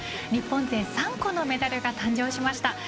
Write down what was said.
日本勢３個のメダルが誕生しました。